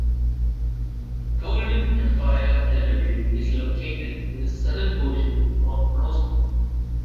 Golden Empire Elementary is located in the southern portion of Rosemont.